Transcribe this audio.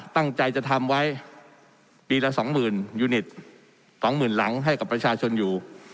ตั้งใจจะทำไว้ปีละสองหมื่นยูนิตสองหมื่นหลังให้กับประชาชนอยู่